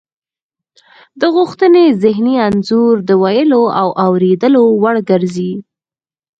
د غوښتنې ذهني انځور د ویلو او اوریدلو وړ ګرځي